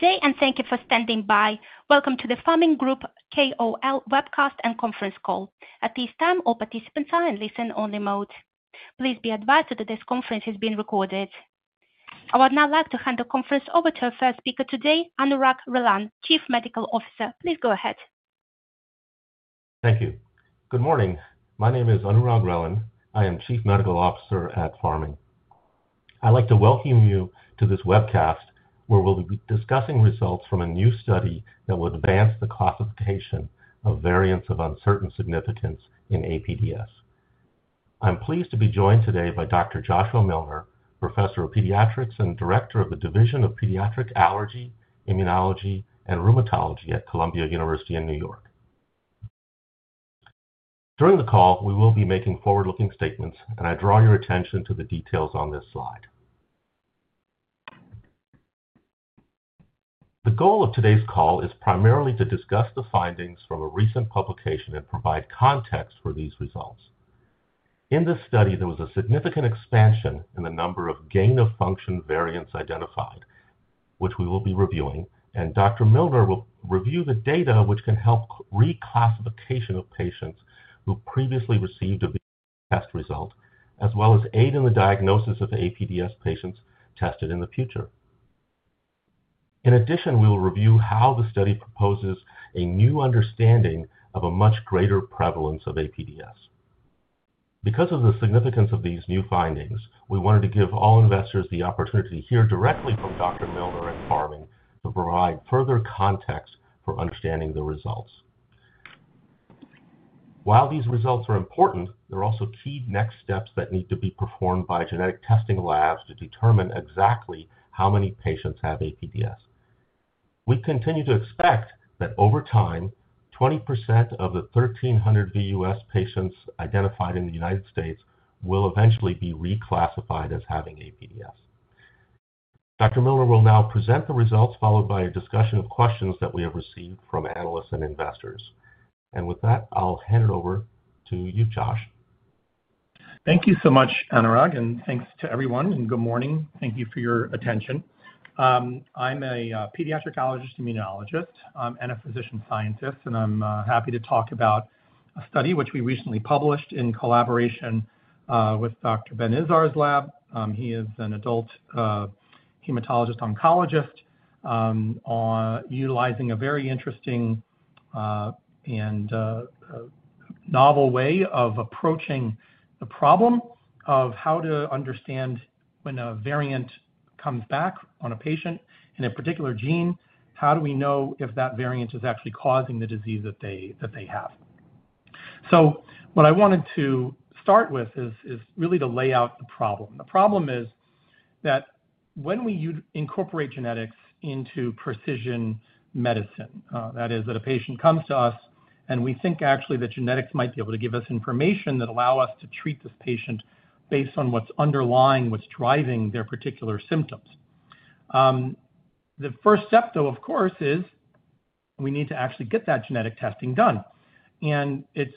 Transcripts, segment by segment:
Today, and thank you for standing by. Welcome to the Pharming Group KOL Webcast and Conference Call. At this time, all participants are in listen-only mode. Please be advised that this conference is being recorded. I would now like to hand the conference over to our first speaker today, Anurag Relan, Chief Medical Officer. Please go ahead. Thank you. Good morning. My name is Anurag Relan. I am Chief Medical Officer at Pharming. I'd like to welcome you to this webcast where we'll be discussing results from a new study that will advance the classification of variants of uncertain significance in APDS. I'm pleased to be joined today by Dr. Joshua Milner, Professor of Pediatrics and Director of the Division of Pediatric Allergy, Immunology, and Rheumatology at Columbia University in New York. During the call, we will be making forward-looking statements, and I draw your attention to the details on this slide. The goal of today's call is primarily to discuss the findings from a recent publication and provide context for these results. In this study, there was a significant expansion in the number of gain-of-function variants identified, which we will be reviewing, and Dr. Milner will review the data, which can help reclassification of patients who previously received a test result, as well as aid in the diagnosis of APDS patients tested in the future. In addition, we will review how the study proposes a new understanding of a much greater prevalence of APDS. Because of the significance of these new findings, we wanted to give all investors the opportunity to hear directly from Dr. Milner at Pharming to provide further context for understanding the results. While these results are important, there are also key next steps that need to be performed by genetic testing labs to determine exactly how many patients have APDS. We continue to expect that over time, 20% of the 1,300 VUS patients identified in the United States will eventually be reclassified as having APDS. Dr. Milner will now present the results, followed by a discussion of questions that we have received from analysts and investors. With that, I'll hand it over to you, Josh. Thank you so much, Anurag, and thanks to everyone, and good morning. Thank you for your attention. I'm a Pediatric Allergist Immunologist and a Physician Scientist, and I'm happy to talk about a study which we recently published in collaboration with Dr. Ben Izar's lab. He is an adult hematologist oncologist utilizing a very interesting and novel way of approaching the problem of how to understand when a variant comes back on a patient in a particular gene, how do we know if that variant is actually causing the disease that they have? What I wanted to start with is really to lay out the problem. The problem is that when we incorporate genetics into precision medicine, that is, that a patient comes to us and we think actually that genetics might be able to give us information that allows us to treat this patient based on what's underlying, what's driving their particular symptoms. The first step, though, of course, is we need to actually get that genetic testing done. It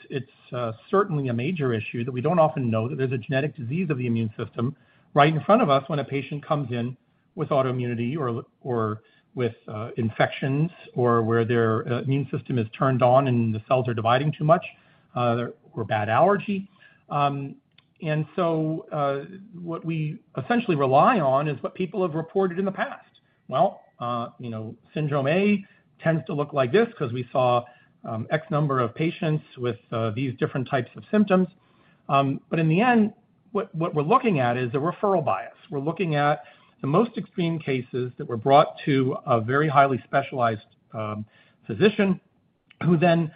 is certainly a major issue that we do not often know that there is a genetic disease of the immune system right in front of us when a patient comes in with autoimmunity or with infections or where their immune system is turned on and the cells are dividing too much or bad allergy. What we essentially rely on is what people have reported in the past. Syndrome A tends to look like this because we saw X number of patients with these different types of symptoms. In the end, what we're looking at is a referral bias. We're looking at the most extreme cases that were brought to a very highly specialized physician who then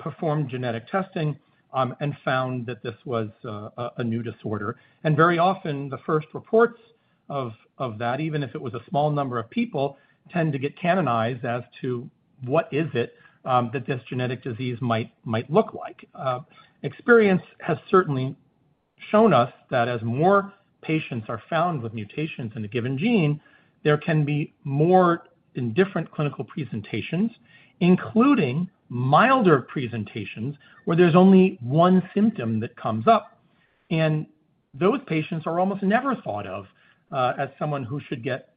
performed genetic testing and found that this was a new disorder. Very often, the first reports of that, even if it was a small number of people, tend to get canonized as to what is it that this genetic disease might look like. Experience has certainly shown us that as more patients are found with mutations in a given gene, there can be more and different clinical presentations, including milder presentations where there's only one symptom that comes up. Those patients are almost never thought of as someone who should get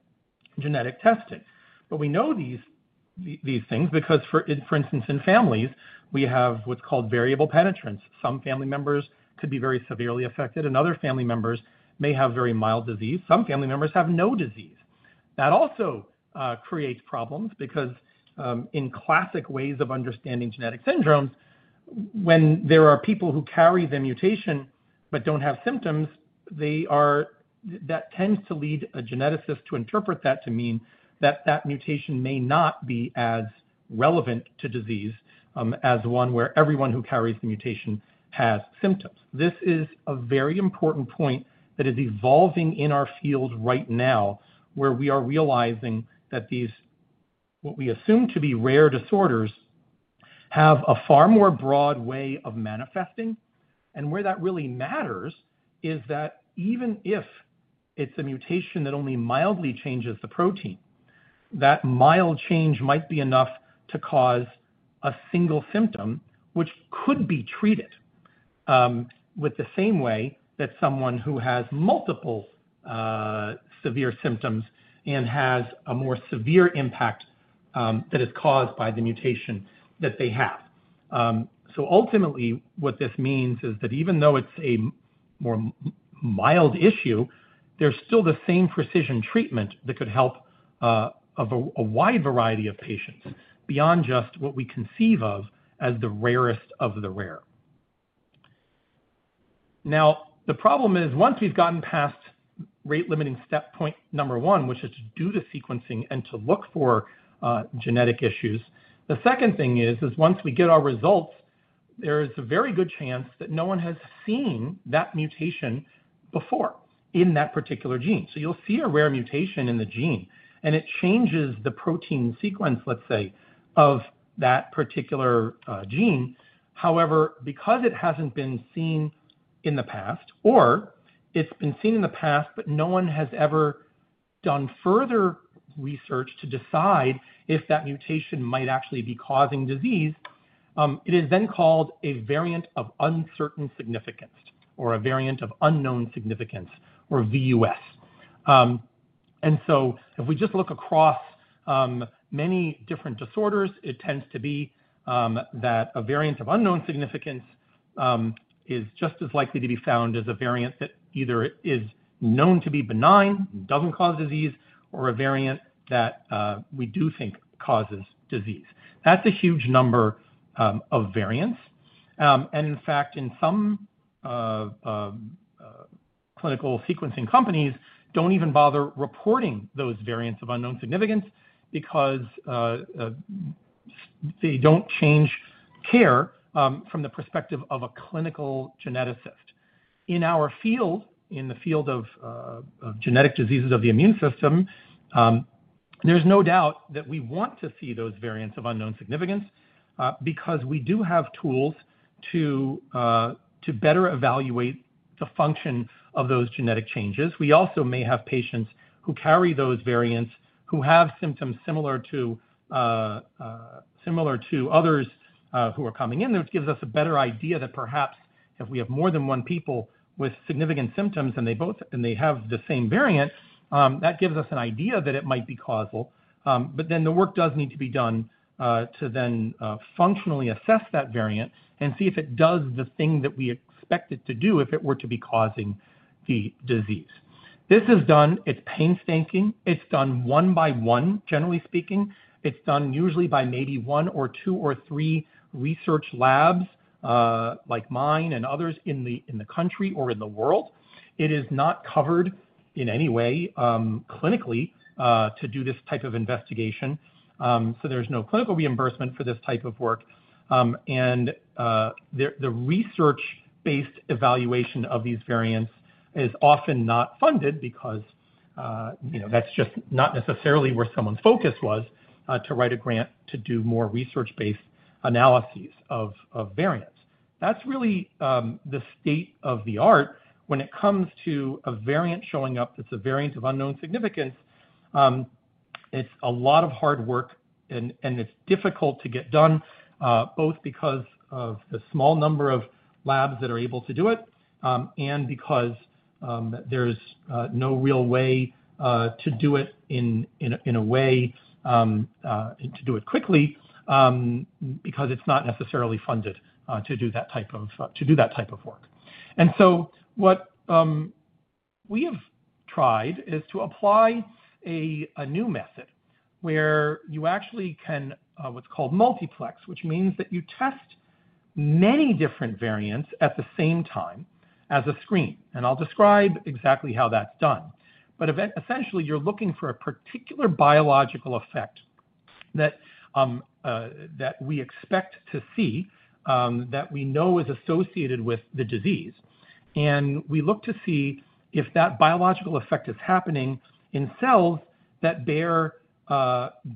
genetic testing. We know these things because, for instance, in families, we have what's called variable penetrance. Some family members could be very severely affected, and other family members may have very mild disease. Some family members have no disease. That also creates problems because in classic ways of understanding genetic syndromes, when there are people who carry the mutation but don't have symptoms, that tends to lead a geneticist to interpret that to mean that that mutation may not be as relevant to disease as one where everyone who carries the mutation has symptoms. This is a very important point that is evolving in our field right now, where we are realizing that what we assume to be rare disorders have a far more broad way of manifesting. Where that really matters is that even if it's a mutation that only mildly changes the protein, that mild change might be enough to cause a single symptom, which could be treated the same way that someone who has multiple severe symptoms and has a more severe impact that is caused by the mutation that they have. Ultimately, what this means is that even though it's a more mild issue, there's still the same precision treatment that could help a wide variety of patients beyond just what we conceive of as the rarest of the rare. Now, the problem is once we've gotten past rate-limiting step point number one, which is to do the sequencing and to look for genetic issues, the second thing is once we get our results, there is a very good chance that no one has seen that mutation before in that particular gene. You will see a rare mutation in the gene, and it changes the protein sequence, let's say, of that particular gene. However, because it hasn't been seen in the past, or it's been seen in the past, but no one has ever done further research to decide if that mutation might actually be causing disease, it is then called a variant of uncertain significance or a variant of unknown significance or VUS. If we just look across many different disorders, it tends to be that a variant of unknown significance is just as likely to be found as a variant that either is known to be benign, does not cause disease, or a variant that we do think causes disease. That is a huge number of variants. In fact, some clinical sequencing companies do not even bother reporting those variants of unknown significance because they do not change care from the perspective of a clinical geneticist. In our field, in the field of genetic diseases of the immune system, there is no doubt that we want to see those variants of unknown significance because we do have tools to better evaluate the function of those genetic changes. We also may have patients who carry those variants who have symptoms similar to others who are coming in, which gives us a better idea that perhaps if we have more than one people with significant symptoms and they have the same variant, that gives us an idea that it might be causal. The work does need to be done to then functionally assess that variant and see if it does the thing that we expect it to do if it were to be causing the disease. This is done, it's painstaking, it's done one by one, generally speaking. It's done usually by maybe one or two or three research labs like mine and others in the country or in the world. It is not covered in any way clinically to do this type of investigation. There is no clinical reimbursement for this type of work. The research-based evaluation of these variants is often not funded because that's just not necessarily where someone's focus was to write a grant to do more research-based analyses of variants. That's really the state of the art when it comes to a variant showing up that's a variant of unknown significance. It's a lot of hard work, and it's difficult to get done, both because of the small number of labs that are able to do it and because there's no real way to do it quickly because it's not necessarily funded to do that type of work. What we have tried is to apply a new method where you actually can what's called multiplex, which means that you test many different variants at the same time as a screen. I'll describe exactly how that's done. Essentially, you're looking for a particular biological effect that we expect to see, that we know is associated with the disease. We look to see if that biological effect is happening in cells that bear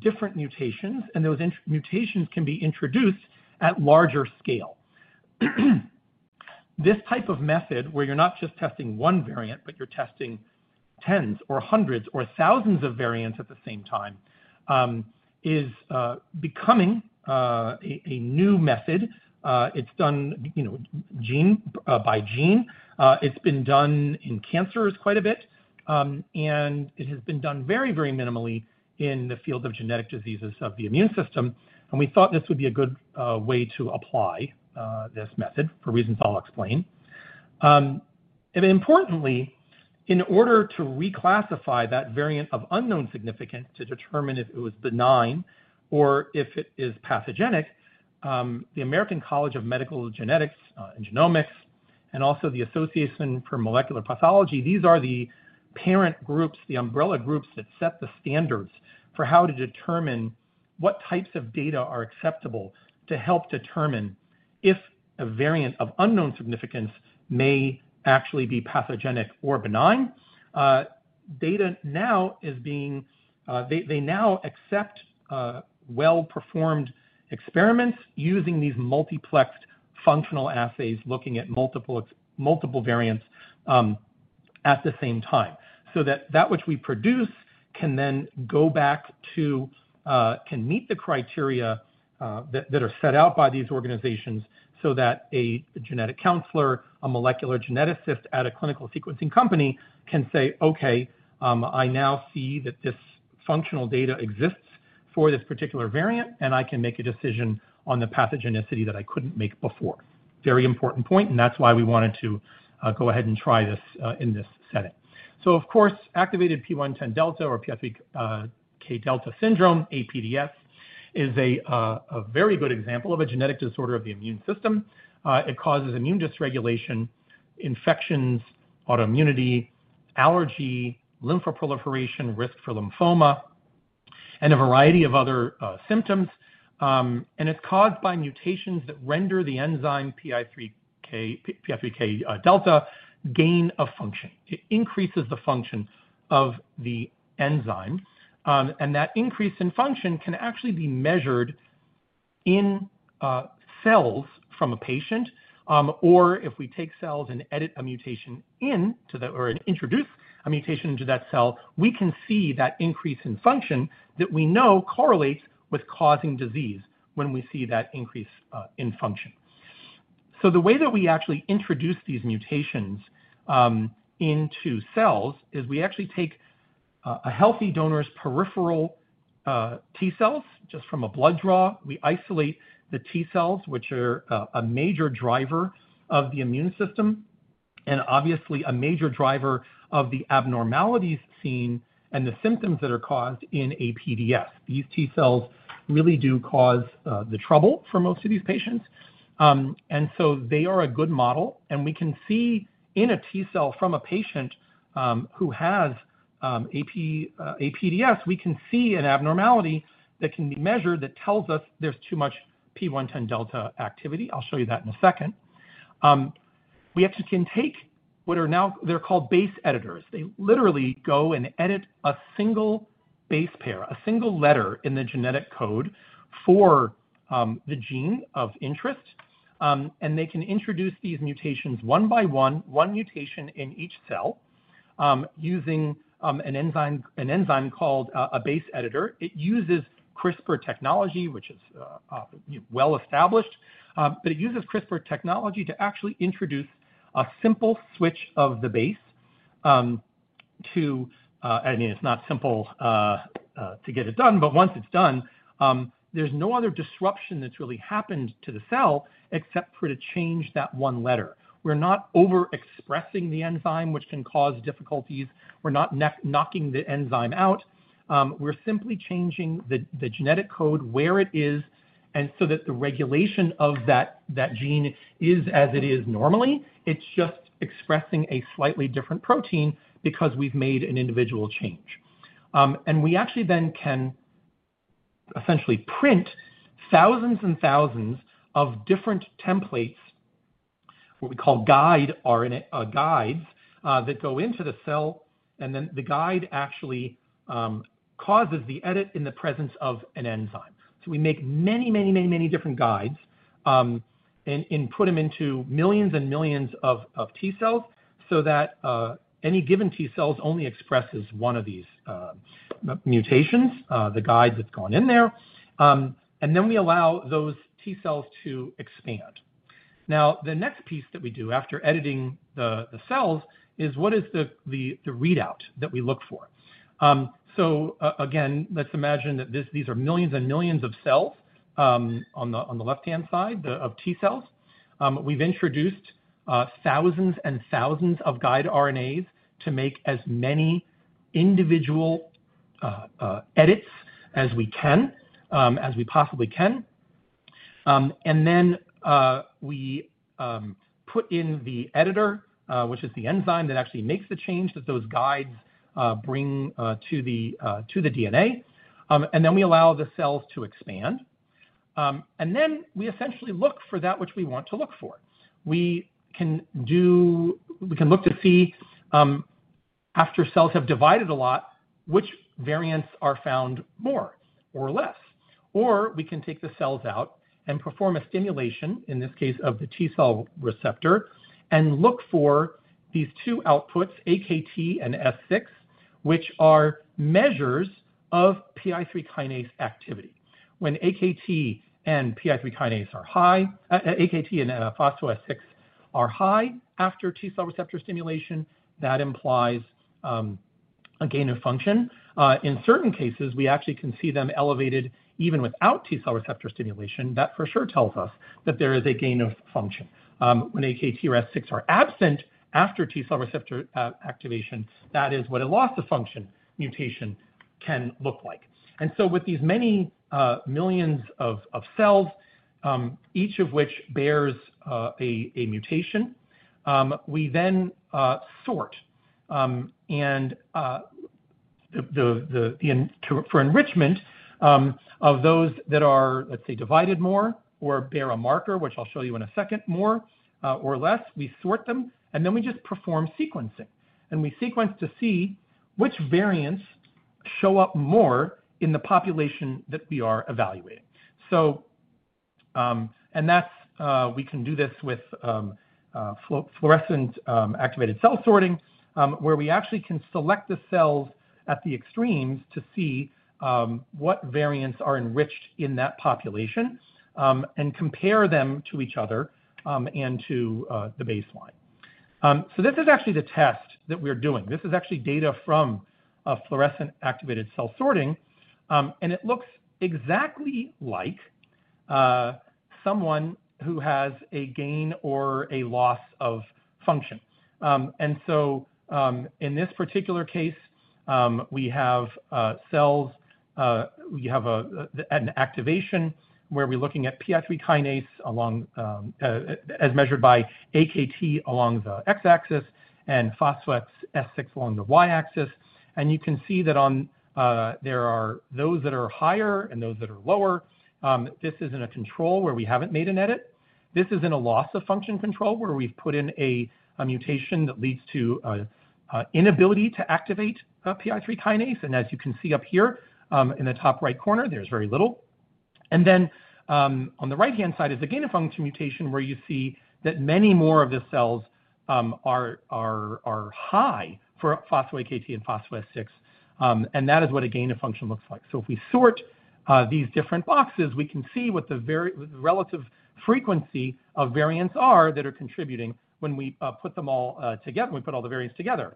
different mutations, and those mutations can be introduced at larger scale. This type of method, where you're not just testing one variant, but you're testing tens or hundreds or thousands of variants at the same time, is becoming a new method. It's done by gene. It's been done in cancers quite a bit, and it has been done very, very minimally in the field of genetic diseases of the immune system. We thought this would be a good way to apply this method for reasons I'll explain. Importantly, in order to reclassify that variant of unknown significance to determine if it was benign or if it is pathogenic, the American College of Medical Genetics and Genomics and also the Association for Molecular Pathology, these are the parent groups, The Umbrella Groups that set the standards for how to determine what types of data are acceptable to help determine if a variant of unknown significance may actually be pathogenic or benign. Data now is being they now accept well-performed experiments using these multiplexed functional assays looking at multiple variants at the same time so that that which we produce can then go back to can meet the criteria that are set out by these organizations so that a genetic counselor, a molecular geneticist at a clinical sequencing company can say, "Okay, I now see that this functional data exists for this particular variant, and I can make a decision on the pathogenicity that I couldn't make before." Very important point, and that's why we wanted to go ahead and try this in this setting. Of course, activated PI3K Delta or APDS is a very good example of a genetic disorder of the immune system. It causes immune dysregulation, infections, autoimmunity, allergy, lymphoproliferation, risk for lymphoma, and a variety of other symptoms. It is caused by mutations that render the enzyme PI3K Delta gain of function. It increases the function of the enzyme. That increase in function can actually be measured in cells from a patient. Or if we take cells and edit a mutation into that or introduce a mutation into that cell, we can see that increase in function that we know correlates with causing disease when we see that increase in function. The way that we actually introduce these mutations into cells is we actually take a healthy donor's peripheral T cells just from a blood draw. We isolate the T cells, which are a major driver of the immune system and obviously a major driver of the abnormalities seen and the symptoms that are caused in APDS. These T cells really do cause the trouble for most of these patients. They are a good model. We can see in a T cell from a patient who has APDS, we can see an abnormality that can be measured that tells us there is too much P110 Delta activity. I will show you that in a second. We actually can take what are now called base editors. They literally go and edit a single base pair, a single letter in the genetic code for the gene of interest. They can introduce these mutations one by one, one mutation in each cell using an enzyme called a base editor. It uses CRISPR technology, which is well-established, but it uses CRISPR technology to actually introduce a simple switch of the base to, I mean, it's not simple to get it done, but once it's done, there's no other disruption that's really happened to the cell except for to change that one letter. We're not overexpressing the enzyme, which can cause difficulties. We're not knocking the enzyme out. We're simply changing the genetic code where it is so that the regulation of that gene is as it is normally. It's just expressing a slightly different protein because we've made an individual change. We actually then can essentially print thousands and thousands of different templates, what we call guides that go into the cell. The guide actually causes the edit in the presence of an enzyme. We make many, many, many different guides and put them into millions and millions of T cells so that any given T cell only expresses one of these mutations, the guide that has gone in there. We allow those T cells to expand. The next piece that we do after editing the cells is what is the readout that we look for. Again, let's imagine that these are millions and millions of cells on the left-hand side of T cells. We have introduced thousands and thousands of guide RNAs to make as many individual edits as we possibly can. We put in the editor, which is the enzyme that actually makes the change that those guides bring to the DNA. We allow the cells to expand. We essentially look for that which we want to look for. We can look to see after cells have divided a lot, which variants are found more or less. Or we can take the cells out and perform a stimulation, in this case, of the T cell receptor and look for these two outputs, AKT and S6, which are measures of PI3K activity. When AKT and PI3K are high, AKT and phospho-S6 are high after T cell receptor stimulation, that implies a gain of function. In certain cases, we actually can see them elevated even without T cell receptor stimulation. That for sure tells us that there is a gain of function. When AKT or S6 are absent after T cell receptor activation, that is what a loss of function mutation can look like. With these many millions of cells, each of which bears a mutation, we then sort. For enrichment of those that are, let's say, divided more or bear a marker, which I'll show you in a second, more or less, we sort them. We just perform sequencing. We sequence to see which variants show up more in the population that we are evaluating. We can do this with fluorescent activated cell sorting where we actually can select the cells at the extremes to see what variants are enriched in that population and compare them to each other and to the baseline. This is actually the test that we're doing. This is actually data from fluorescent activated cell sorting. It looks exactly like someone who has a gain or a loss of function. In this particular case, we have cells, we have an activation where we're looking at PI3K as measured by AKT along the X-axis and phospho S6 along the Y-axis. You can see that there are those that are higher and those that are lower. This is in a control where we haven't made an edit. This is in a loss of function control where we've put in a mutation that leads to an inability to activate PI3K. As you can see up here in the top right corner, there's very little. On the right-hand side is the gain of function mutation where you see that many more of the cells are high for phospho AKT and phospho S6. That is what a gain of function looks like. If we sort these different boxes, we can see what the relative frequency of variants are that are contributing when we put them all together, when we put all the variants together.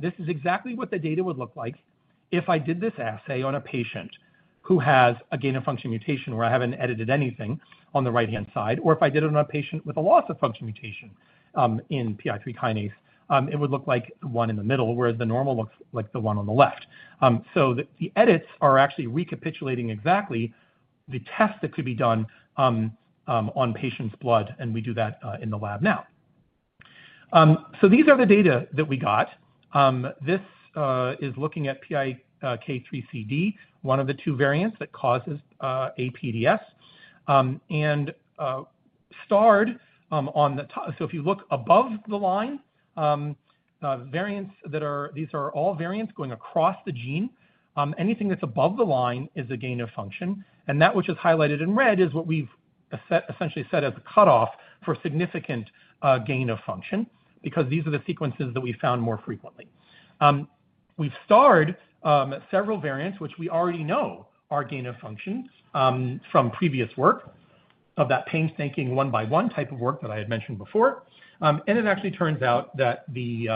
This is exactly what the data would look like if I did this assay on a patient who has a gain-of-function mutation where I have not edited anything on the right-hand side. Or if I did it on a patient with a loss-of-function mutation in PI3K delta, it would look like the one in the middle where the normal looks like the one on the left. The edits are actually recapitulating exactly the test that could be done on patients' blood. We do that in the lab now. These are the data that we got. This is looking at PIK3CD, one of the two variants that causes APDS. Starred on the top, so if you look above the line, these are all variants going across the gene. Anything that's above the line is a gain of function. That which is highlighted in red is what we've essentially set as the cutoff for significant gain of function because these are the sequences that we found more frequently. We've starred several variants, which we already know are gain of function from previous work of that painstaking one-by-one type of work that I had mentioned before. It actually turns out that we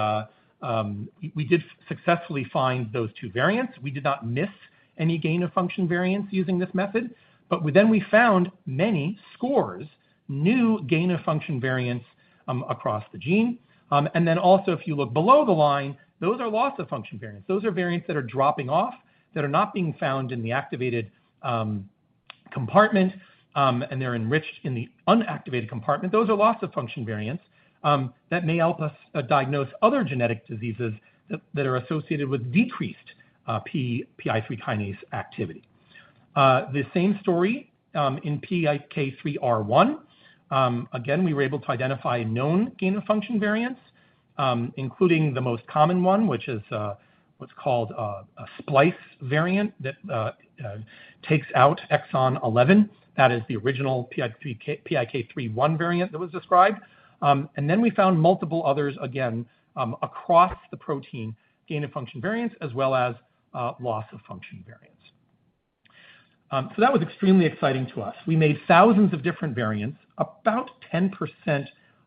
did successfully find those two variants. We did not miss any gain of function variants using this method. We found many scores, new gain of function variants across the gene. Also, if you look below the line, those are loss of function variants. Those are variants that are dropping off, that are not being found in the activated compartment, and they're enriched in the unactivated compartment. Those are loss of function variants that may help us diagnose other genetic diseases that are associated with decreased PI3K delta activity. The same story in PIK3R1. Again, we were able to identify known gain of function variants, including the most common one, which is what's called a splice variant that takes out exon 11. That is the original PIK3R1 variant that was described. We found multiple others, again, across the protein, gain of function variants as well as loss of function variants. That was extremely exciting to us. We made thousands of different variants, about 10%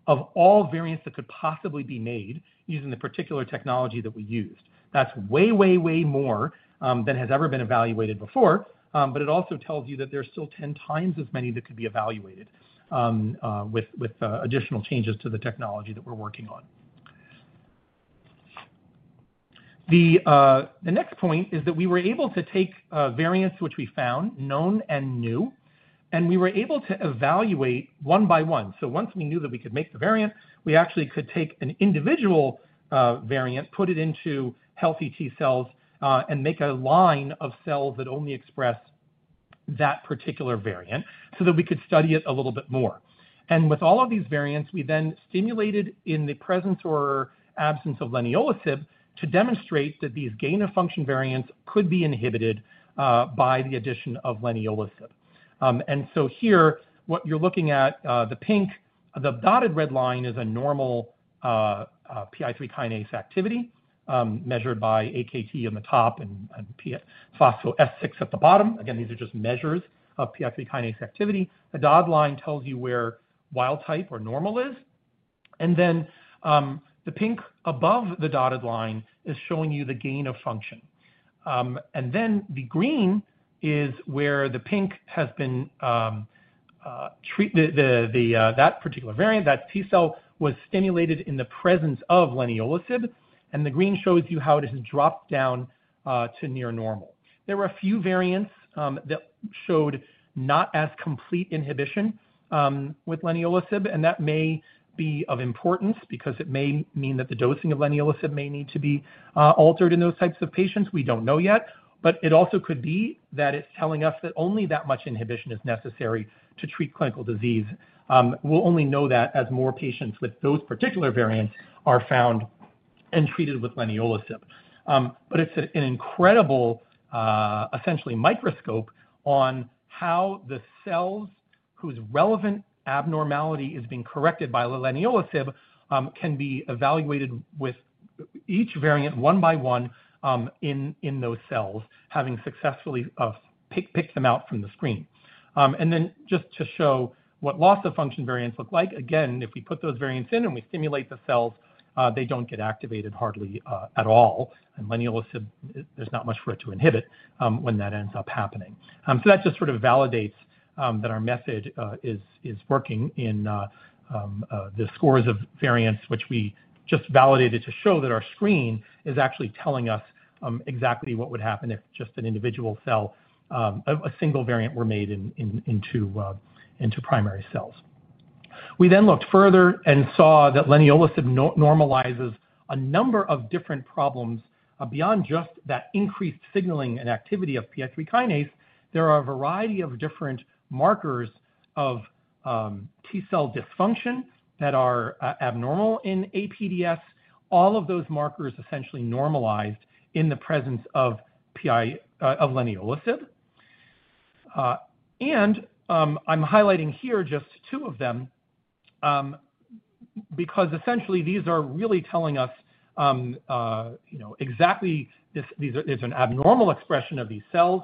of all variants that could possibly be made using the particular technology that we used. That's way, way, way more than has ever been evaluated before. It also tells you that there's still 10 times as many that could be evaluated with additional changes to the technology that we're working on. The next point is that we were able to take variants which we found, known and new, and we were able to evaluate one by one. Once we knew that we could make the variant, we actually could take an individual variant, put it into healthy T cells, and make a line of cells that only express that particular variant so that we could study it a little bit more. With all of these variants, we then stimulated in the presence or absence of leniolisib to demonstrate that these gain-of-function variants could be inhibited by the addition of leniolisib. Here, what you're looking at, the pink, the dotted red line is a normal PI3 kinase activity measured by AKT on the top and phospho-S6 at the bottom. Again, these are just measures of PI3 kinase activity. The dotted line tells you where wild type or normal is. The pink above the dotted line is showing you the gain of function. The green is where the pink has been, that particular variant, that T cell was stimulated in the presence of leniolisib. The green shows you how it has dropped down to near normal. There were a few variants that showed not as complete inhibition with leniolisib. That may be of importance because it may mean that the dosing of leniolisib may need to be altered in those types of patients. We don't know yet. It also could be that it's telling us that only that much inhibition is necessary to treat clinical disease. We'll only know that as more patients with those particular variants are found and treated with leniolisib. It's an incredible, essentially, microscope on how the cells whose relevant abnormality is being corrected by leniolisib can be evaluated with each variant one by one in those cells, having successfully picked them out from the screen. Just to show what loss-of-function variants look like, again, if we put those variants in and we stimulate the cells, they don't get activated hardly at all. Leniolisib, there's not much for it to inhibit when that ends up happening. That just sort of validates that our method is working in the scores of variants, which we just validated to show that our screen is actually telling us exactly what would happen if just an individual cell, a single variant were made into primary cells. We then looked further and saw that leniolisib normalizes a number of different problems beyond just that increased signaling and activity of PI3K delta. There are a variety of different markers of T cell dysfunction that are abnormal in APDS. All of those markers essentially normalized in the presence of leniolisib. I'm highlighting here just two of them because essentially these are really telling us exactly there's an abnormal expression of these cells.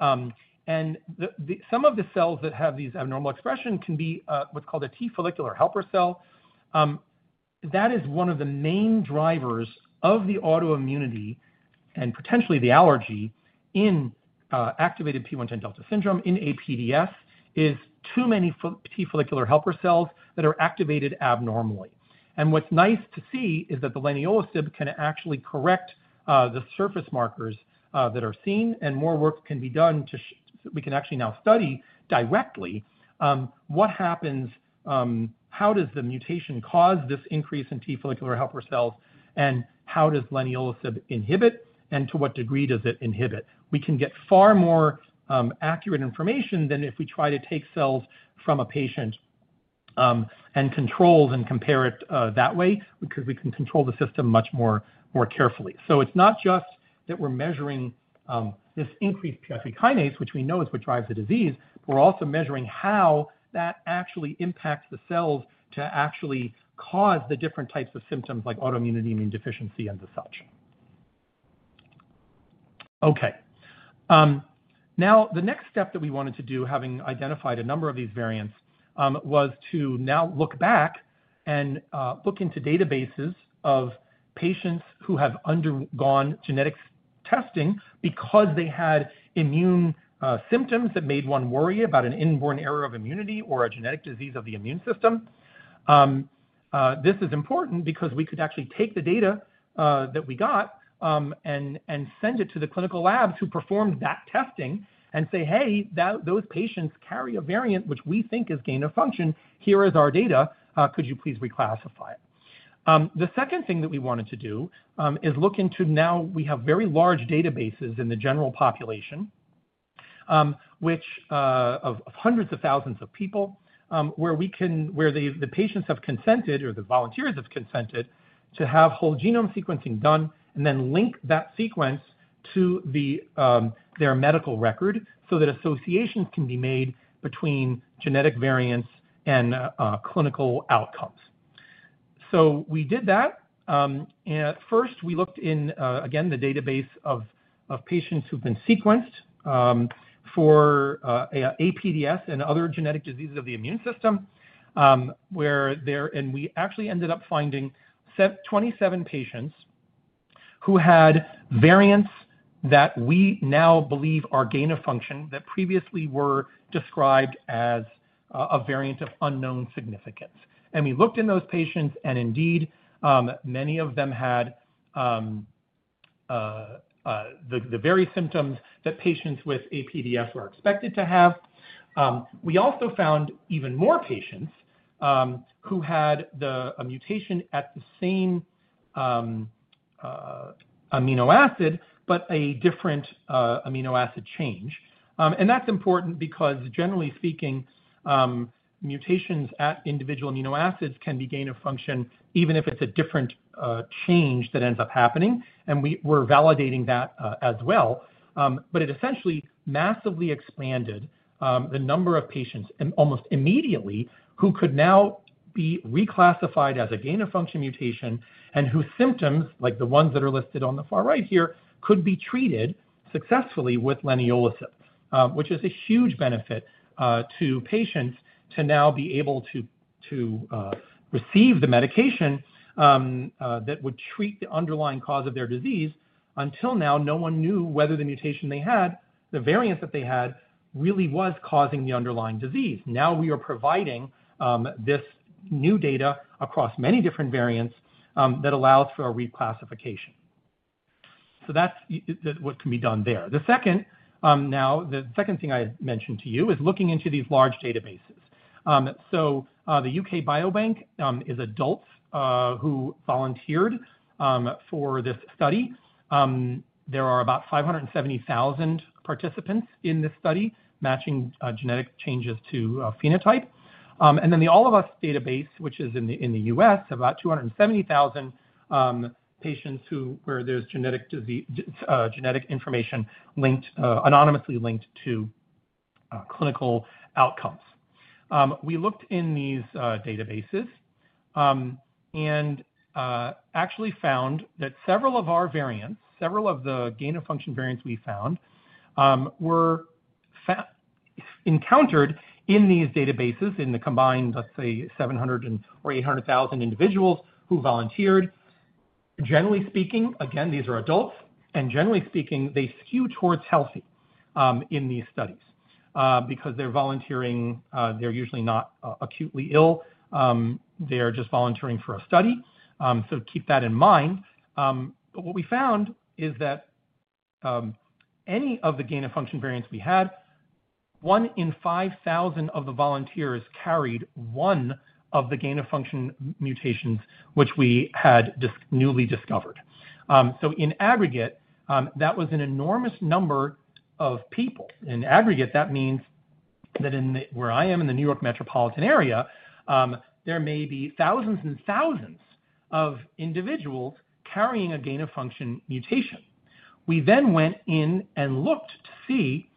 Some of the cells that have these abnormal expressions can be what's called a T follicular helper cell. That is one of the main drivers of the autoimmunity and potentially the allergy in activated PI3K delta syndrome in APDS is too many T follicular helper cells that are activated abnormally. What is nice to see is that the leniolisib can actually correct the surface markers that are seen. More work can be done to we can actually now study directly what happens, how does the mutation cause this increase in T follicular helper cells, and how does leniolisib inhibit, and to what degree does it inhibit. We can get far more accurate information than if we try to take cells from a patient and control and compare it that way because we can control the system much more carefully. It is not just that we are measuring this increased PI3 kinase, which we know is what drives the disease, but we are also measuring how that actually impacts the cells to actually cause the different types of symptoms like autoimmunity, immune deficiency, and such. Okay. Now, the next step that we wanted to do, having identified a number of these variants, was to now look back and look into databases of patients who have undergone genetic testing because they had immune symptoms that made one worry about an inborn error of immunity or a genetic disease of the immune system. This is important because we could actually take the data that we got and send it to the clinical labs who performed that testing and say, "Hey, those patients carry a variant which we think is gain of function. Here is our data. Could you please reclassify it?" The second thing that we wanted to do is look into now we have very large databases in the general population, which of hundreds of thousands of people, where the patients have consented or the volunteers have consented to have whole genome sequencing done and then link that sequence to their medical record so that associations can be made between genetic variants and clinical outcomes. We did that. First, we looked in, again, the database of patients who've been sequenced for APDS and other genetic diseases of the immune system, where we actually ended up finding 27 patients who had variants that we now believe are gain of function that previously were described as a variant of unknown significance. We looked in those patients, and indeed, many of them had the very symptoms that patients with APDS were expected to have. We also found even more patients who had a mutation at the same amino acid, but a different amino acid change. That is important because, generally speaking, mutations at individual amino acids can be gain of function even if it is a different change that ends up happening. We are validating that as well. It essentially massively expanded the number of patients almost immediately who could now be reclassified as a gain of function mutation and whose symptoms, like the ones that are listed on the far right here, could be treated successfully with leniolisib, which is a huge benefit to patients to now be able to receive the medication that would treat the underlying cause of their disease. Until now, no one knew whether the mutation they had, the variant that they had, really was causing the underlying disease. Now we are providing this new data across many different variants that allows for a reclassification. That is what can be done there. The second thing I mentioned to you is looking into these large databases. The UK Biobank is adults who volunteered for this study. There are about 570,000 participants in this study matching genetic changes to phenotype. The All of Us database, which is in the U.S., has about 270,000 patients where there is genetic information anonymously linked to clinical outcomes. We looked in these databases and actually found that several of our variants, several of the gain-of-function variants we found, were encountered in these databases in the combined, let's say, 700,000 or 800,000 individuals who volunteered. Generally speaking, these are adults. Generally speaking, they skew towards healthy in these studies because they are volunteering. They are usually not acutely ill. They're just volunteering for a study. So keep that in mind. What we found is that any of the gain-of-function variants we had, one in 5,000 of the volunteers carried one of the gain-of-function mutations which we had newly discovered. In aggregate, that was an enormous number of people. In aggregate, that means that where I am in the New York metropolitan area, there may be thousands and thousands of individuals carrying a gain-of-function mutation. We then went in and looked to see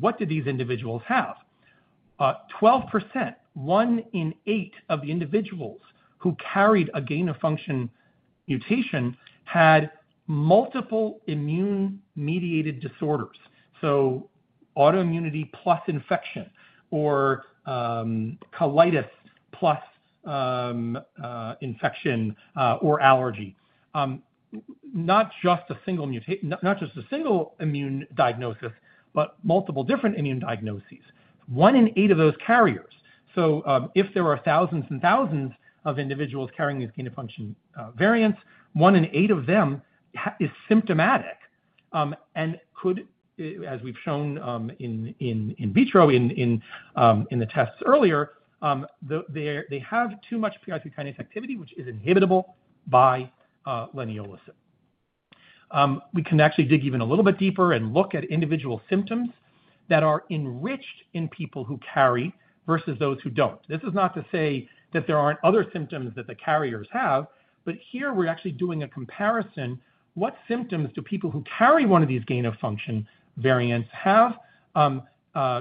what did these individuals have. 12%, one in eight of the individuals who carried a gain-of-function mutation had multiple immune-mediated disorders. Autoimmunity plus infection or colitis plus infection or allergy. Not just a single immune diagnosis, but multiple different immune diagnoses. One in eight of those carriers. If there are thousands and thousands of individuals carrying these gain-of-function variants, one in eight of them is symptomatic and could, as we've shown in vitro in the tests earlier, they have too much PI3K delta activity, which is inhibitable by leniolisib. We can actually dig even a little bit deeper and look at individual symptoms that are enriched in people who carry versus those who do not. This is not to say that there are not other symptoms that the carriers have. Here, we are actually doing a comparison. What symptoms do people who carry one of these gain-of-function variants have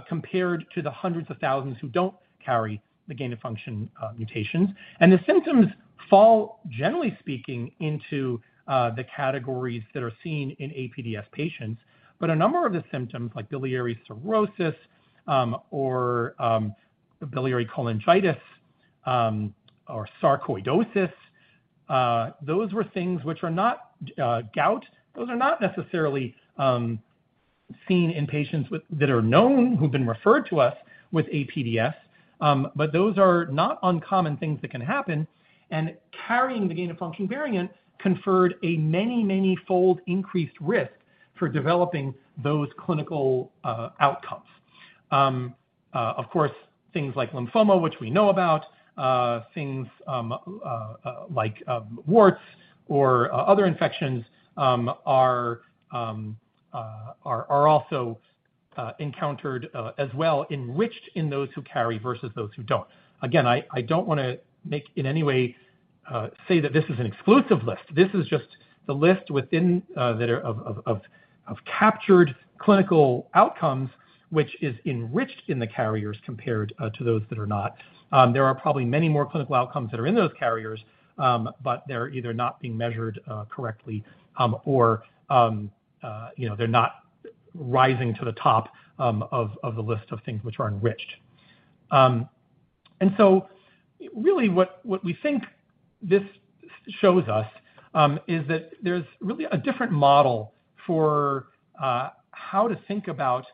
compared to the hundreds of thousands who do not carry the gain-of-function mutations? The symptoms fall, generally speaking, into the categories that are seen in APDS patients. A number of the symptoms, like biliary cirrhosis or biliary cholangitis or sarcoidosis, those were things which are not gout. Those are not necessarily seen in patients that are known, who've been referred to us with APDS. Those are not uncommon things that can happen. Carrying the gain of function variant conferred a many, many-fold increased risk for developing those clinical outcomes. Of course, things like lymphoma, which we know about, things like warts or other infections are also encountered as well, enriched in those who carry versus those who do not. Again, I do not want to in any way say that this is an exclusive list. This is just the list within that of captured clinical outcomes, which is enriched in the carriers compared to those that are not. There are probably many more clinical outcomes that are in those carriers, but they're either not being measured correctly or they're not rising to the top of the list of things which are enriched. What we think this shows us is that there's really a different model for how to think about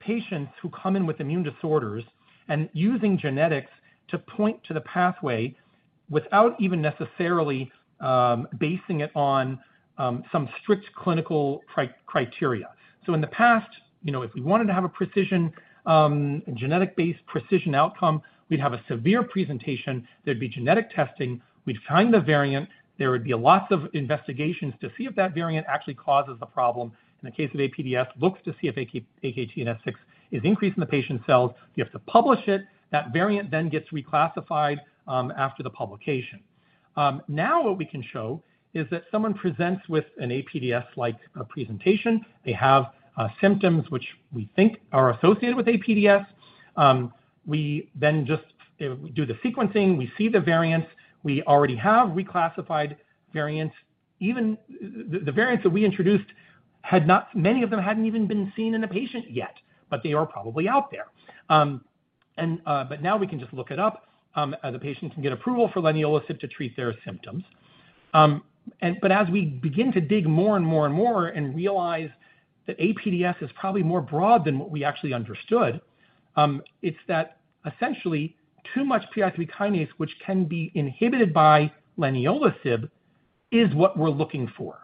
patients who come in with immune disorders and using genetics to point to the pathway without even necessarily basing it on some strict clinical criteria. In the past, if we wanted to have a genetic-based precision outcome, we'd have a severe presentation. There'd be genetic testing. We'd find the variant. There would be lots of investigations to see if that variant actually causes the problem. In the case of APDS, looks to see if AKT and S6 is increased in the patient's cells. You have to publish it. That variant then gets reclassified after the publication. Now, what we can show is that someone presents with an APDS-like presentation. They have symptoms which we think are associated with APDS. We then just do the sequencing. We see the variants. We already have reclassified variants. The variants that we introduced, many of them hadn't even been seen in the patient yet, but they are probably out there. Now we can just look it up. The patient can get approval for leniolisib to treat their symptoms. As we begin to dig more and more and more and realize that APDS is probably more broad than what we actually understood, it's that essentially too much PI3K, which can be inhibited by leniolisib, is what we're looking for.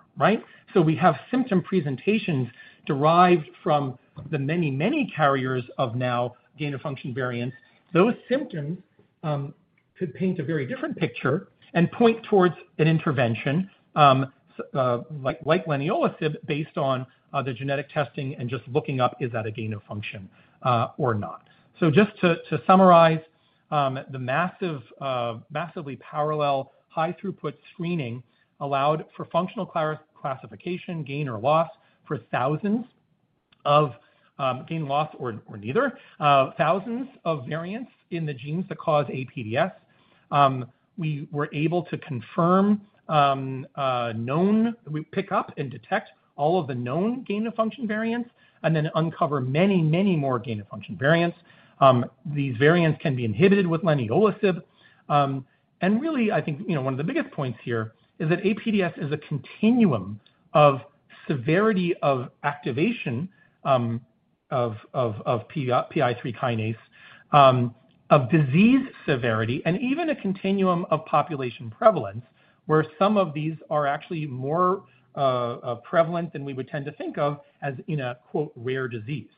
We have symptom presentations derived from the many, many carriers of now gain-of-function variants. Those symptoms could paint a very different picture and point towards an intervention like leniolisib based on the genetic testing and just looking up, is that a gain of function or not? Just to summarize, the massively parallel high-throughput screening allowed for functional classification, gain or loss for thousands of gain, loss, or neither, thousands of variants in the genes that cause APDS. We were able to confirm known, we pick up and detect all of the known gain of function variants and then uncover many, many more gain of function variants. These variants can be inhibited with leniolisib. I think one of the biggest points here is that APDS is a continuum of severity of activation of PI3 kinase, of disease severity, and even a continuum of population prevalence where some of these are actually more prevalent than we would tend to think of as in a "rare disease."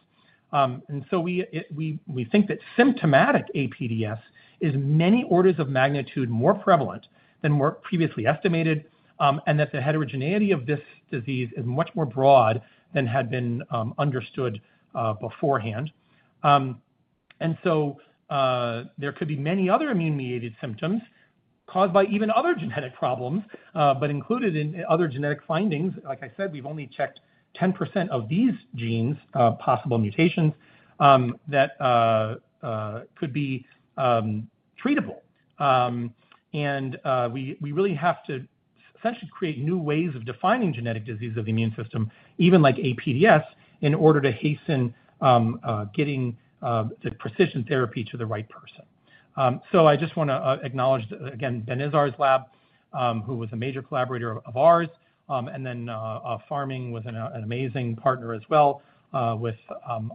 We think that symptomatic APDS is many orders of magnitude more prevalent than previously estimated and that the heterogeneity of this disease is much more broad than had been understood beforehand. There could be many other immune-mediated symptoms caused by even other genetic problems, but included in other genetic findings. Like I said, we've only checked 10% of these genes, possible mutations that could be treatable. We really have to essentially create new ways of defining genetic disease of the immune system, even like APDS, in order to hasten getting the precision therapy to the right person. I just want to acknowledge, again, Ben Izar's lab, who was a major collaborator of ours. Pharming was an amazing partner as well with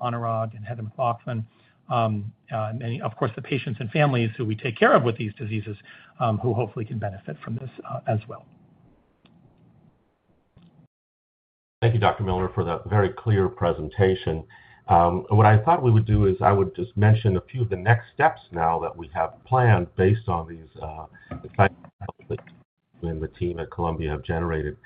Anurag and McLaughlin. Of course, the patients and families who we take care of with these diseases who hopefully can benefit from this as well. Thank you, Dr. Milner, for that very clear presentation. What I thought we would do is I would just mention a few of the next steps now that we have planned based on these findings that you and the team at Columbia have generated.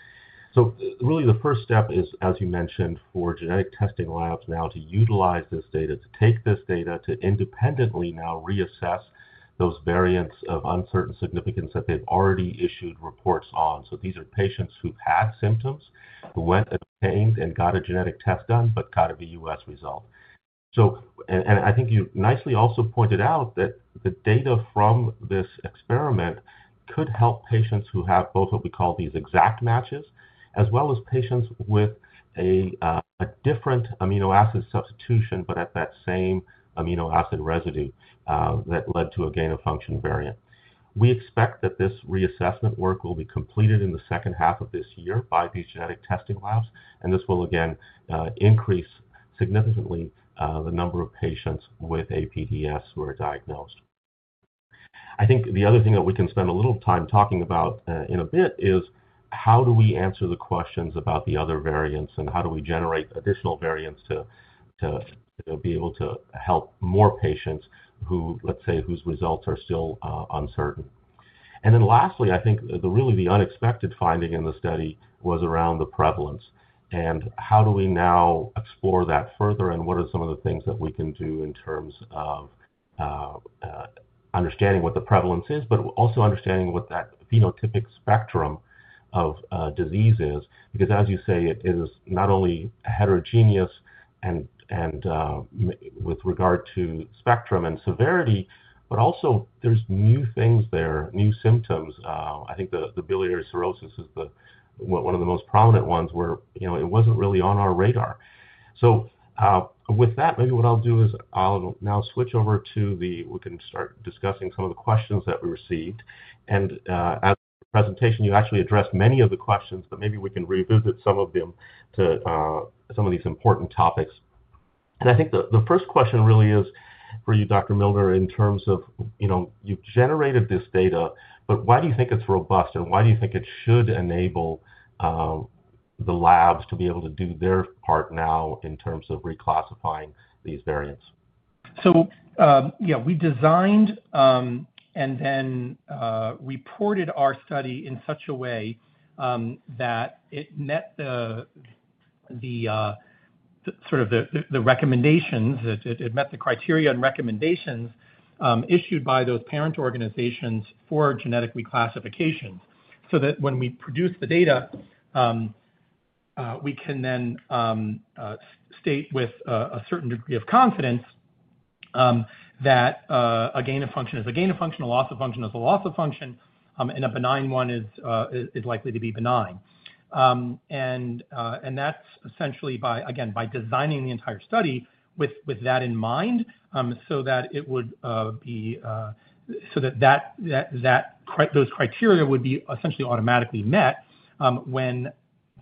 Really, the first step is, as you mentioned, for genetic testing labs now to utilize this data, to take this data to independently now reassess those variants of uncertain significance that they've already issued reports on. These are patients who've had symptoms, who went and obtained and got a genetic test done, but got a VUS result. I think you nicely also pointed out that the data from this experiment could help patients who have both what we call these exact matches as well as patients with a different amino acid substitution, but at that same amino acid residue that led to a gain-of-function variant. We expect that this reassessment work will be completed in the second half of this year by these genetic testing labs. This will, again, increase significantly the number of patients with APDS who are diagnosed. I think the other thing that we can spend a little time talking about in a bit is how do we answer the questions about the other variants and how do we generate additional variants to be able to help more patients who, let's say, whose results are still uncertain. Lastly, I think really the unexpected finding in the study was around the prevalence. How do we now explore that further and what are some of the things that we can do in terms of understanding what the prevalence is, but also understanding what that phenotypic spectrum of disease is? Because, as you say, it is not only heterogeneous with regard to spectrum and severity, but also there are new things there, new symptoms. I think the biliary cirrhosis is one of the most prominent ones where it was not really on our radar. With that, maybe what I will do is now switch over so we can start discussing some of the questions that we received. As the presentation, you actually addressed many of the questions, but maybe we can revisit some of them, some of these important topics. I think the first question really is for you, Dr. Milner, in terms of you've generated this data, but why do you think it's robust and why do you think it should enable the labs to be able to do their part now in terms of reclassifying these variants? Yeah, we designed and then reported our study in such a way that it met sort of the recommendations, that it met the criteria and recommendations issued by those parent organizations for genetic reclassification so that when we produce the data, we can then state with a certain degree of confidence that a gain of function is a gain of function, a loss of function is a loss of function, and a benign one is likely to be benign. That's essentially, again, by designing the entire study with that in mind so that those criteria would be essentially automatically met when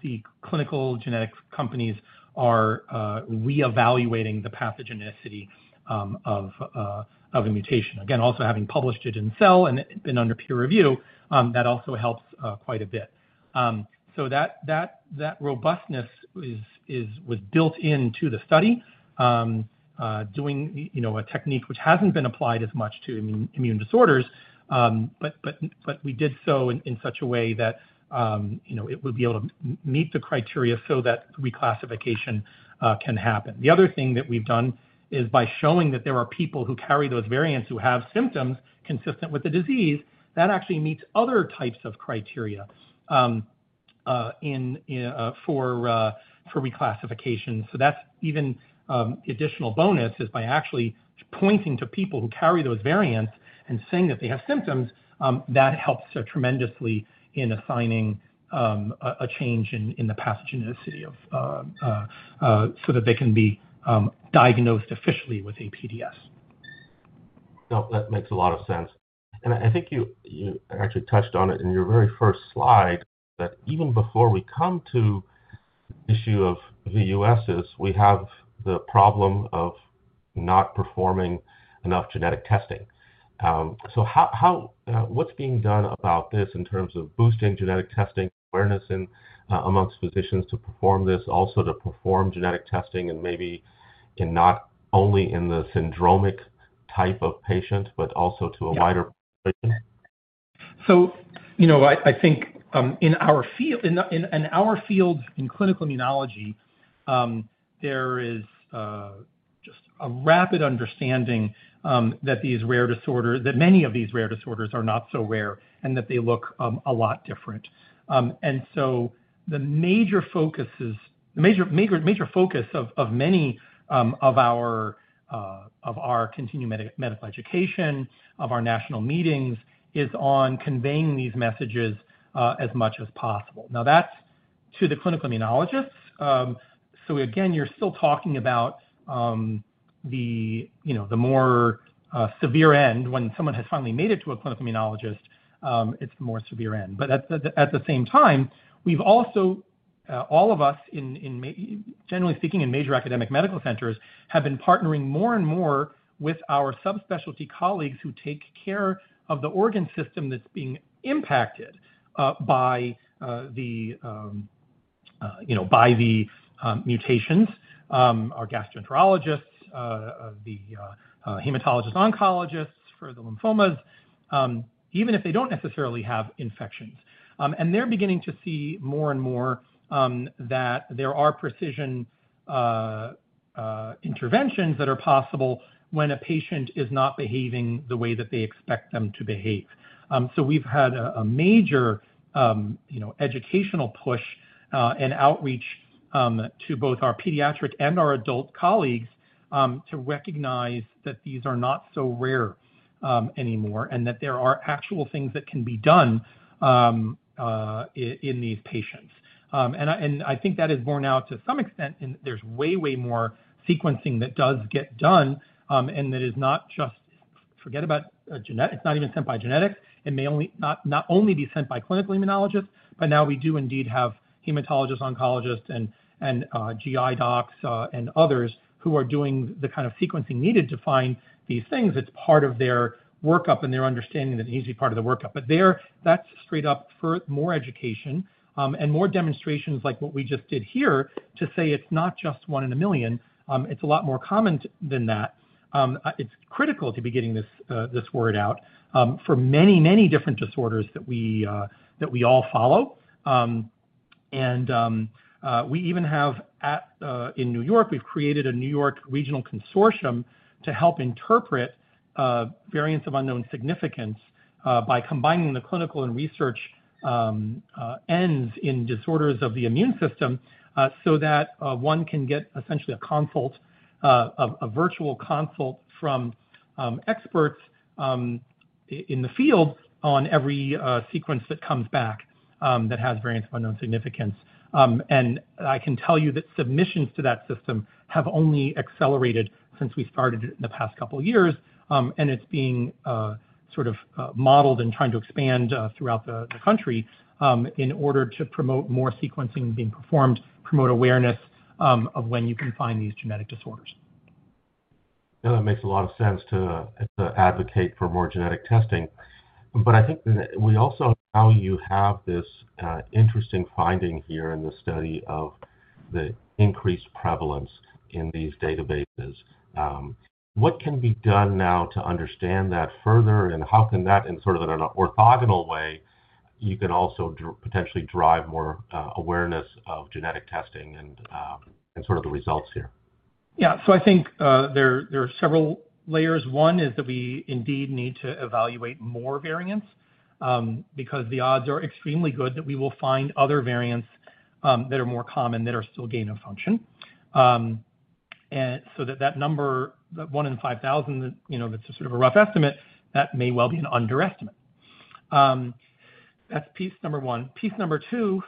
the clinical genetics companies are reevaluating the pathogenicity of a mutation. Again, also having published it in Cell and been under peer review, that also helps quite a bit. That robustness was built into the study, doing a technique which has not been applied as much to immune disorders, but we did so in such a way that it would be able to meet the criteria so that reclassification can happen. The other thing that we have done is by showing that there are people who carry those variants who have symptoms consistent with the disease that actually meets other types of criteria for reclassification. That is even the additional bonus, by actually pointing to people who carry those variants and saying that they have symptoms. That helps tremendously in assigning a change in the pathogenicity so that they can be diagnosed efficiently with APDS. No, that makes a lot of sense. I think you actually touched on it in your very first slide that even before we come to the issue of VUSs, we have the problem of not performing enough genetic testing. What's being done about this in terms of boosting genetic testing awareness amongst physicians to perform this, also to perform genetic testing and maybe not only in the syndromic type of patient, but also to a wider population? I think in our field, in clinical immunology, there is just a rapid understanding that these rare disorders, that many of these rare disorders are not so rare and that they look a lot different. The major focus of many of our continuing medical education, of our national meetings, is on conveying these messages as much as possible. Now, that's to the clinical immunologists. Again, you're still talking about the more severe end. When someone has finally made it to a clinical immunologist, it's the more severe end. At the same time, we've also, all of us, generally speaking, in major academic medical centers have been partnering more and more with our subspecialty colleagues who take care of the organ system that's being impacted by the mutations, our gastroenterologists, the hematologists, oncologists for the lymphomas, even if they don't necessarily have infections. They are beginning to see more and more that there are precision interventions that are possible when a patient is not behaving the way that they expect them to behave. We have had a major educational push and outreach to both our pediatric and our adult colleagues to recognize that these are not so rare anymore and that there are actual things that can be done in these patients. I think that is borne out to some extent in that there is way, way more sequencing that does get done and that is not just forget about genetics. It is not even sent by genetics. It may not only be sent by clinical immunologists, but now we do indeed have hematologists, oncologists, and GI docs and others who are doing the kind of sequencing needed to find these things. It's part of their workup and their understanding that it needs to be part of the workup. That's straight up for more education and more demonstrations like what we just did here to say it's not just one in a million. It's a lot more common than that. It's critical to be getting this word out for many, many different disorders that we all follow. We even have in New York, we've created a New York Regional Consortium to help interpret variants of unknown significance by combining the clinical and research ends in disorders of the immune system so that one can get essentially a consult, a virtual consult from experts in the field on every sequence that comes back that has variants of unknown significance. I can tell you that submissions to that system have only accelerated since we started it in the past couple of years. It is being sort of modeled and trying to expand throughout the country in order to promote more sequencing being performed, promote awareness of when you can find these genetic disorders. Yeah, that makes a lot of sense to advocate for more genetic testing. I think we also now have this interesting finding here in the study of the increased prevalence in these databases. What can be done now to understand that further and how can that, in sort of an orthogonal way, you can also potentially drive more awareness of genetic testing and sort of the results here? Yeah. I think there are several layers. One is that we indeed need to evaluate more variants because the odds are extremely good that we will find other variants that are more common that are still gain of function. That number, one in 5,000, that's sort of a rough estimate, that may well be an underestimate. That's piece number one. Piece number two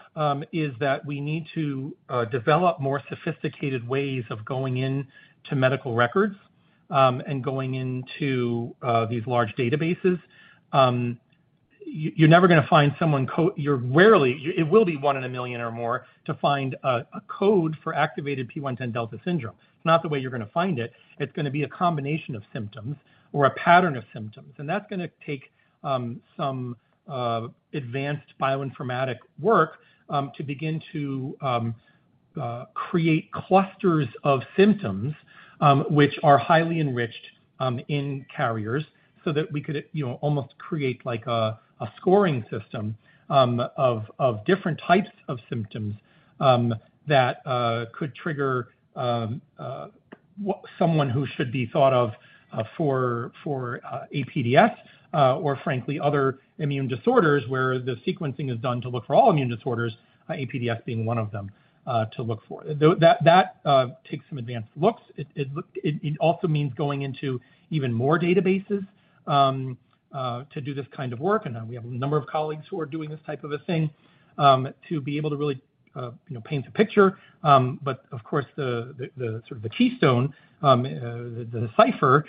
is that we need to develop more sophisticated ways of going into medical records and going into these large databases. You're never going to find someone code it will be one in a million or more to find a code for activated PI3K Delta syndrome. It's not the way you're going to find it. It's going to be a combination of symptoms or a pattern of symptoms. That is going to take some advanced bioinformatic work to begin to create clusters of symptoms which are highly enriched in carriers so that we could almost create like a scoring system of different types of symptoms that could trigger someone who should be thought of for APDS or, frankly, other immune disorders where the sequencing is done to look for all immune disorders, APDS being one of them to look for. That takes some advanced looks. It also means going into even more databases to do this kind of work. We have a number of colleagues who are doing this type of a thing to be able to really paint a picture. Of course, the sort of the keystone, the cipher,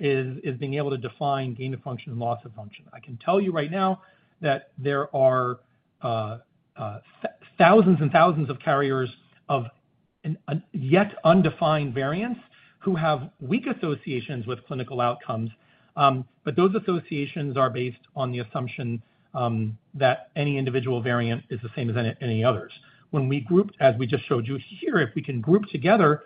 is being able to define gain of function and loss of function. I can tell you right now that there are thousands and thousands of carriers of yet undefined variants who have weak associations with clinical outcomes. Those associations are based on the assumption that any individual variant is the same as any others. When we group, as we just showed you here, if we can group together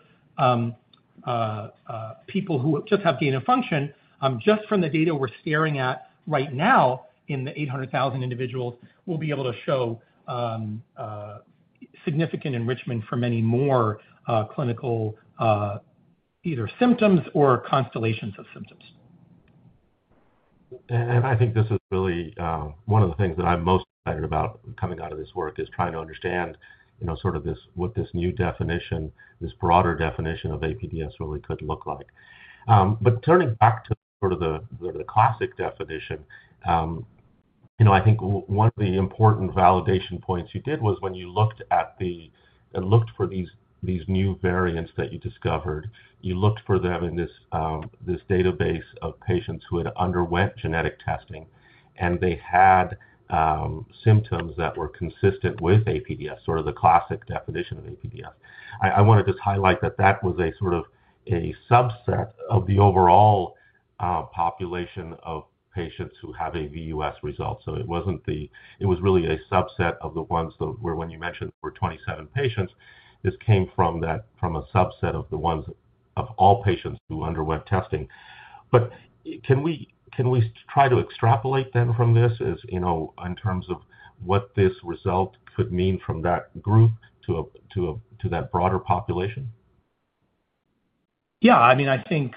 people who just have gain of function, just from the data we're staring at right now in the 800,000 individuals, we'll be able to show significant enrichment for many more clinical either symptoms or constellations of symptoms. I think this is really one of the things that I'm most excited about coming out of this work is trying to understand sort of what this new definition, this broader definition of APDS really could look like. Turning back to sort of the classic definition, I think one of the important validation points you did was when you looked at the and looked for these new variants that you discovered, you looked for them in this database of patients who had undergone genetic testing and they had symptoms that were consistent with APDS, sort of the classic definition of APDS. I want to just highlight that that was sort of a subset of the overall population of patients who have a VUS result. It was really a subset of the ones that were when you mentioned there were 27 patients. This came from a subset of the ones of all patients who underwent testing. Can we try to extrapolate then from this in terms of what this result could mean from that group to that broader population? Yeah. I mean, I think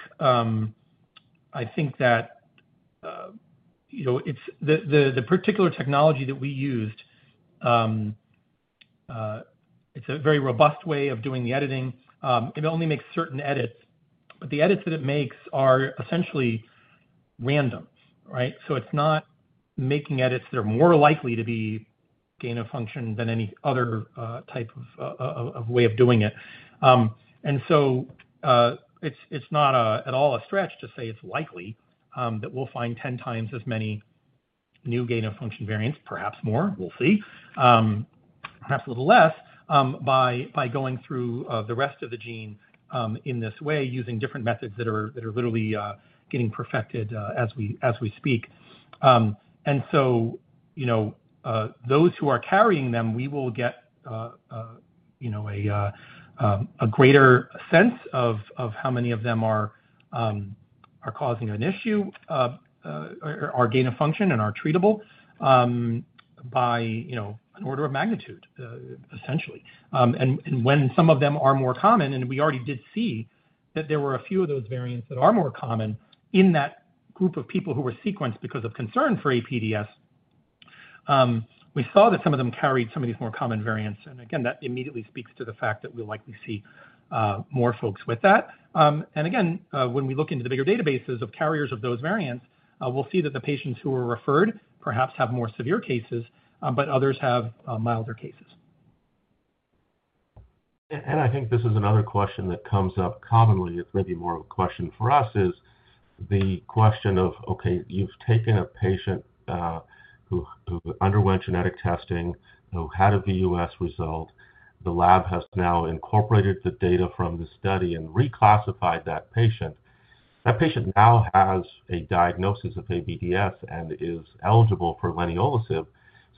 that the particular technology that we used, it's a very robust way of doing the editing. It only makes certain edits. The edits that it makes are essentially random, right? It's not making edits that are more likely to be gain of function than any other type of way of doing it. It's not at all a stretch to say it's likely that we'll find 10 times as many new gain of function variants, perhaps more, we'll see, perhaps a little less by going through the rest of the gene in this way using different methods that are literally getting perfected as we speak. Those who are carrying them, we will get a greater sense of how many of them are causing an issue, are gain of function, and are treatable by an order of magnitude, essentially. When some of them are more common, and we already did see that there were a few of those variants that are more common in that group of people who were sequenced because of concern for APDS, we saw that some of them carried some of these more common variants. Again, that immediately speaks to the fact that we'll likely see more folks with that. Again, when we look into the bigger databases of carriers of those variants, we'll see that the patients who were referred perhaps have more severe cases, but others have milder cases. I think this is another question that comes up commonly. It's maybe more of a question for us, is the question of, okay, you've taken a patient who underwent genetic testing, who had a VUS result, the lab has now incorporated the data from the study and reclassified that patient. That patient now has a diagnosis of APDS and is eligible for leniolisib.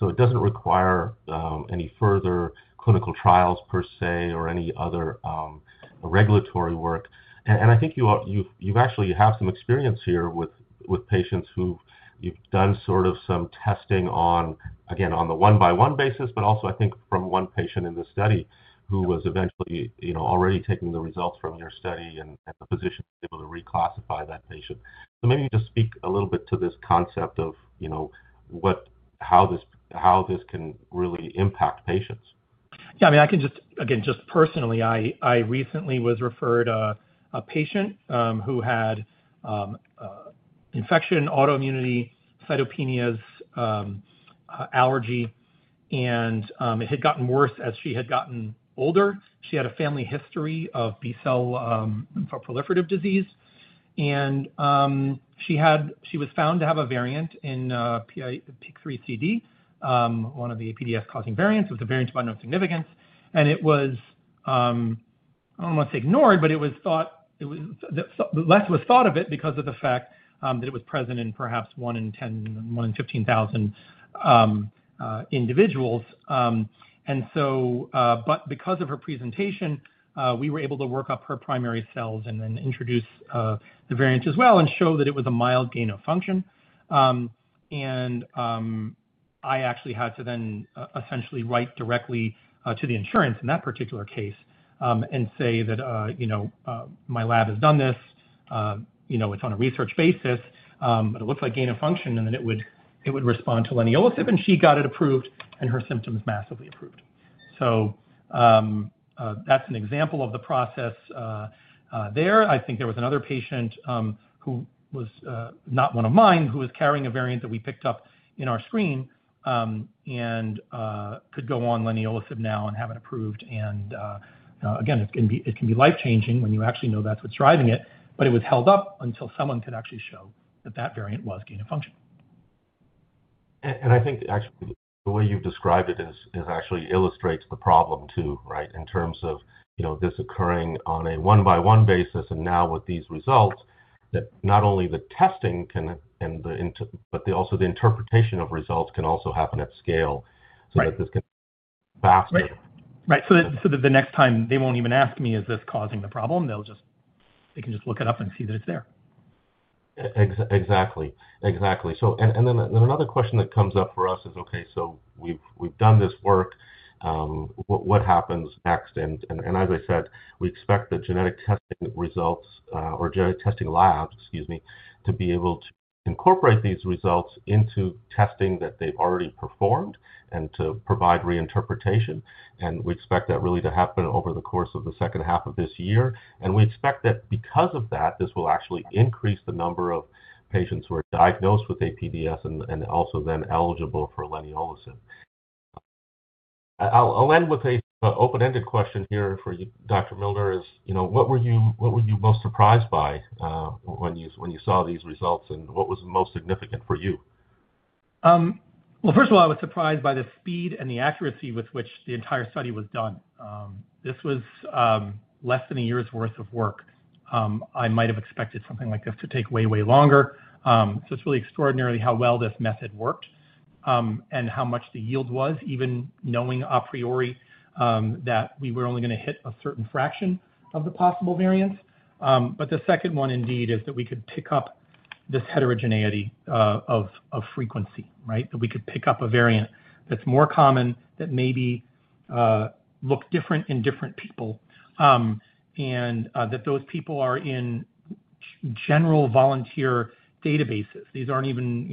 It doesn't require any further clinical trials per se or any other regulatory work. I think you actually have some experience here with patients who you've done sort of some testing on, again, on the one-by-one basis, but also I think from one patient in the study who was eventually already taking the results from your study and the physician was able to reclassify that patient. Maybe you just speak a little bit to this concept of how this can really impact patients. Yeah. I mean, I can just, again, just personally, I recently was referred a patient who had infection, autoimmunity, cytopenias, allergy, and it had gotten worse as she had gotten older. She had a family history of B-cell lymphoproliferative disease. She was found to have a variant in PIK3CD, one of the APDS-causing variants. It was a variant of unknown significance. I do not want to say ignored, but less was thought of it because of the fact that it was present in perhaps one in 10, one in 15,000 individuals. Because of her presentation, we were able to work up her primary cells and then introduce the variant as well and show that it was a mild gain of function. I actually had to then essentially write directly to the insurance in that particular case and say that my lab has done this. It's on a research basis, but it looks like gain of function, and then it would respond to leniolisib, and she got it approved and her symptoms massively improved. That's an example of the process there. I think there was another patient who was not one of mine who was carrying a variant that we picked up in our screen and could go on leniolisib now and have it approved. Again, it can be life-changing when you actually know that's what's driving it, but it was held up until someone could actually show that that variant was gain of function. I think actually the way you've described it actually illustrates the problem too, right, in terms of this occurring on a one-by-one basis and now with these results that not only the testing can, but also the interpretation of results can also happen at scale so that this can faster. Right. So that the next time they won't even ask me, is this causing the problem? They can just look it up and see that it's there. Exactly. Exactly. Another question that comes up for us is, okay, we have done this work. What happens next? As I said, we expect the genetic testing results or genetic testing labs, excuse me, to be able to incorporate these results into testing that they have already performed and to provide reinterpretation. We expect that really to happen over the course of the second half of this year. We expect that because of that, this will actually increase the number of patients who are diagnosed with APDS and also then eligible for leniolisib. I will end with an open-ended question here for you, Dr. Milner. What were you most surprised by when you saw these results and what was most significant for you? First of all, I was surprised by the speed and the accuracy with which the entire study was done. This was less than a year's worth of work. I might have expected something like this to take way, way longer. It is really extraordinary how well this method worked and how much the yield was, even knowing a priori that we were only going to hit a certain fraction of the possible variants. The second one indeed is that we could pick up this heterogeneity of frequency, right? That we could pick up a variant that is more common that maybe looks different in different people and that those people are in general volunteer databases. These are not even,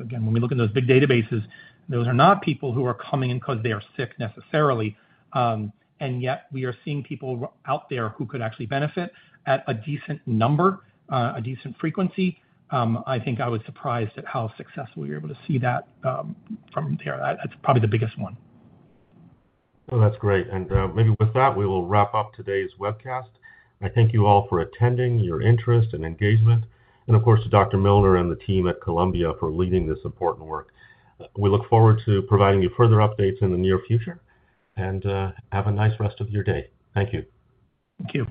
again, when we look in those big databases, those are not people who are coming in because they are sick necessarily. Yet we are seeing people out there who could actually benefit at a decent number, a decent frequency. I think I was surprised at how successful we were able to see that from there. That is probably the biggest one. That is great. Maybe with that, we will wrap up today's webcast. I thank you all for attending, your interest and engagement, and of course, to Dr. Milner and the team at Columbia for leading this important work. We look forward to providing you further updates in the near future. Have a nice rest of your day. Thank you. Thank you.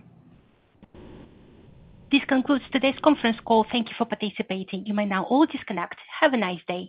This concludes today's conference call. Thank you for participating. You may now all disconnect. Have a nice day.